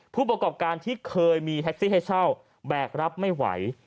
ผู้ประกอบการที่เคยมีแท็กซี่ให้เช่าแบกรับไม่ไหว